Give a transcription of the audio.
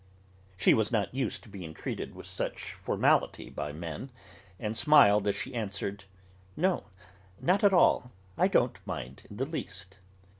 She was not used to being treated with so much formality by men, and smiled as she answered: "No, not at all; I don't mind in the least."